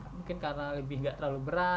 mungkin karena lebih nggak terlalu berat